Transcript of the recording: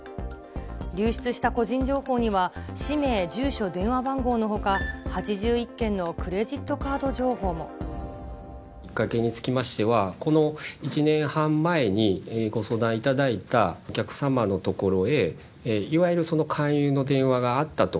流出した個人情報には、氏名、住所、電話番号のほか、８１件のきっかけにつきましては、この１年半前にご相談いただいたお客様の所へ、いわゆる勧誘の電話があったと。